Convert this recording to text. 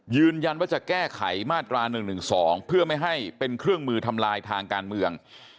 ยืนยันว่าจะแก้ไขมาตรา๑๑๒เพื่อไม่ให้เป็นเครื่องมือทำลายทางการเมือง